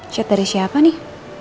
chat dari siapa nih